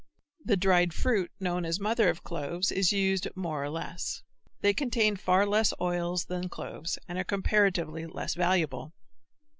The dried fruit known as mother of cloves is used more or less. They contain far less oil than cloves and are comparatively less valuable.